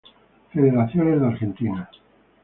Federaciones de Argentina